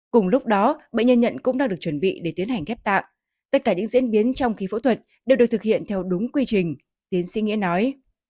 cùng lúc đó bệnh nhân nhận cũng đang được chuẩn bị để tiến hành ghép tạng tất cả những diễn biến trong khi phẫu thuật đều được thực hiện theo đúng quy trình tiến sĩ nghĩa nói